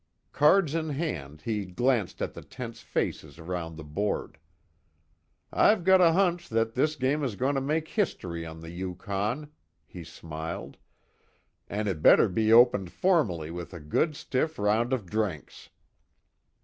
Cards in hand he glanced at the tense faces around the board. "I've got a hunch that this game is going to make history on the Yukon," he smiled, "And it better be opened formally with a good stiff round of drinks."